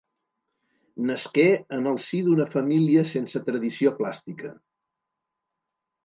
Nasqué en el si d'una família sense tradició plàstica.